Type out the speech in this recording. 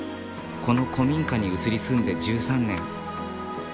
この古民家に移り住んで１３年。